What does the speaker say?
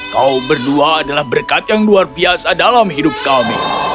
kau berdua adalah berkat yang luar biasa dalam hidup kami